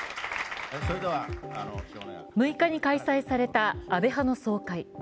６日に開催された安倍派の総会。